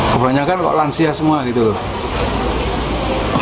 kebanyakan kok lansia semua gitu loh